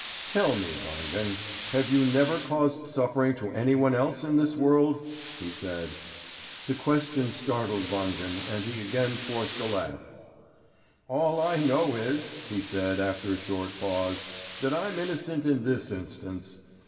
"Tell me, Wangen! Have you never caused suffering to any one else in this world?" he said. The question startled Wangen, and he again forced a laugh. "All I know is," he said after a short pause, "that I'm innocent in this instance.